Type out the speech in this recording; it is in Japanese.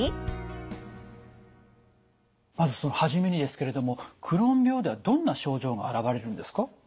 まずその初めにですけれどもクローン病ではどんな症状が現れるんですか？